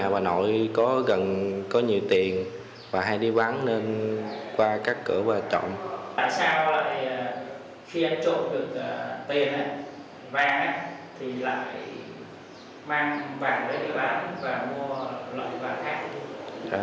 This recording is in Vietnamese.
mang vàng để chữa bán và mua loại vàng khác